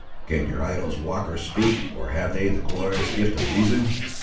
"Can your idols walk or speak, or have they the glorious gift of reason?"